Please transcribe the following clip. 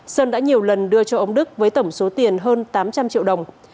sơn đã nhiều lần đưa cho ông đức với tổng số tiền hơn tám trăm linh triệu đồng